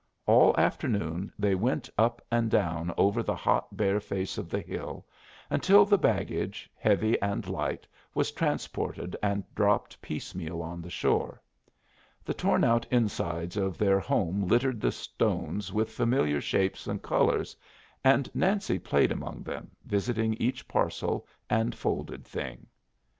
All afternoon they went up and down over the hot bare face of the hill, until the baggage, heavy and light, was transported and dropped piecemeal on the shore. The torn out insides of their home littered the stones with familiar shapes and colors, and Nancy played among them, visiting each parcel and folded thing.